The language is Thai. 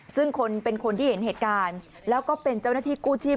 ซึ่งคนเป็นคนที่เห็นเหตุการณ์แล้วก็เป็นเจ้าหน้าที่กู้ชีพ